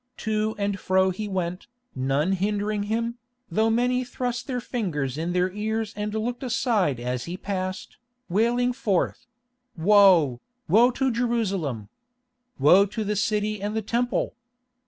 To and fro he went, none hindering him, though many thrust their fingers in their ears and looked aside as he passed, wailing forth: "Woe, woe to Jerusalem! Woe to the city and the Temple!"